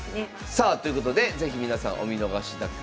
さあということで是非皆さんお見逃しなく。